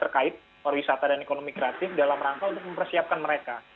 terkait pariwisata dan ekonomi kreatif dalam rangka untuk mempersiapkan mereka